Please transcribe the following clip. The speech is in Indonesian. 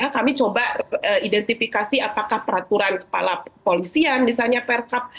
kami coba identifikasi apakah peraturan kepala polisian misalnya perkap